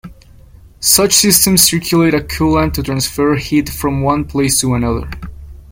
Such systems circulate a coolant to transfer heat from one place to another.